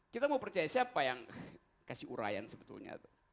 kita mau percaya siapa yang kasih urayan sebetulnya